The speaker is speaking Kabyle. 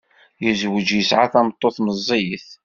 Yezweǧ yesɛa tameṭṭut meẓẓiyet.